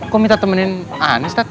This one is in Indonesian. kok minta temenin aneh setan